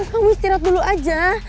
kamu istirahat dulu aja